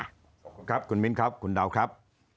สวัสดีครับคุณมิ้นครับคุณดาวครับ